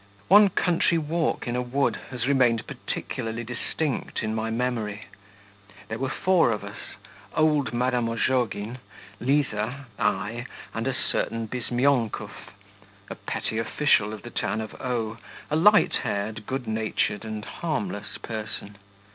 One country walk in a wood has remained particularly distinct in my memory. There were four of us, old Madame Ozhogin, Liza, I, and a certain Bizmyonkov, a petty official of the town of O , a light haired, good natured, and harmless person.